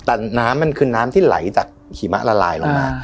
แต่น้ำมันคือน้ำที่ไหลจากหิมะละลายลงมา